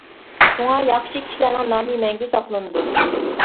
شۇڭا، ياخشى كىشىلەرنىڭ نامى مەڭگۈ ساقلىنىدۇ.